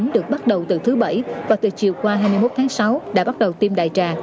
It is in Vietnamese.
được bắt đầu từ thứ bảy và từ chiều qua hai mươi một tháng sáu đã bắt đầu tiêm đại trà